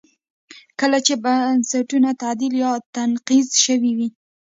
کله چې بستونه تعدیل یا تنقیض شوي وي.